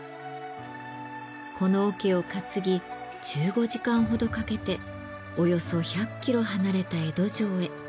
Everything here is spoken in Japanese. この桶を担ぎ１５時間ほどかけておよそ１００キロ離れた江戸城へ。